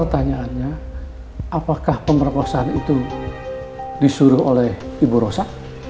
pertanyaannya apakah pemerkosaan itu disuruh oleh ibu rosa